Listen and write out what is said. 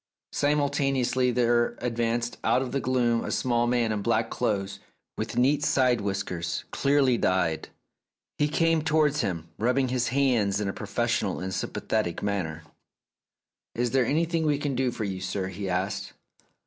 Simultaneously 286 The Tragedy of Oliver Bowman there advanced out of the gloom a small man in black clothes, with neat side whiskers, clearly dyed. He came towards him, rubbing his hands in a profes sional and sympathetic manner. "Is there anything we can do for you, sir?" he asked.